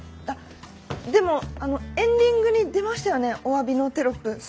あっでもあのエンディングに出ましたよねおわびのテロップ。